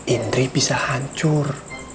indri bisa hancur